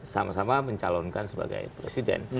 sama sama mencalonkan sebagai presiden